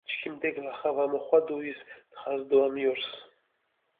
ჩქიმდე გლახა ვა მოხვადუ ის დღას დო ამიორს!